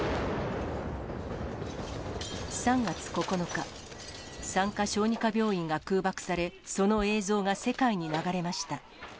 ３月９日、産科・小児科病院が空爆され、その映像が世界に流れました。